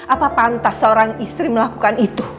apa pantas seorang istri melakukan itu